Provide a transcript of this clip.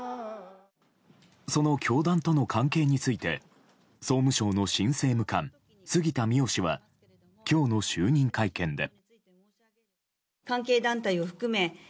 その教団との関係について総務省の新政務官杉田水脈氏は今日の就任会見で。